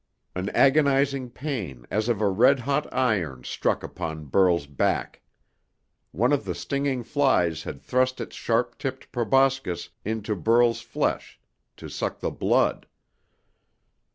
An agonizing pain as of a red hot iron struck upon Burl's back. One of the stinging flies had thrust its sharp tipped proboscis into Burl's flesh to suck the blood.